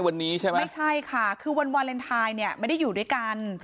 ไม่ใช่ค่ะคือวันวาเลนไทยไม่ได้อยู่ด้วยกัน